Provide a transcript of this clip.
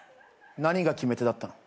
何が決め手だったの？